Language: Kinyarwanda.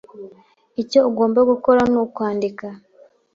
Icyo ugomba gukora nukwandika.